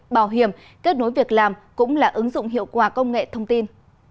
bảo hiểm kết nối việc làm cũng là ứng dụng hiệu quả công nghệ thông tin